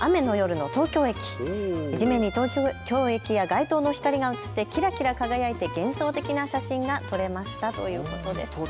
雨の夜の東京駅、地面に東京駅や街灯の光が映ってキラキラ輝いて幻想的な写真が撮れましたということです。